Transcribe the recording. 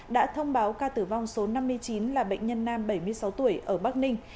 đã thông báo ca tử vong số năm mươi chín là bệnh nhân nam bảy mươi sáu tuổi ở bắc ninh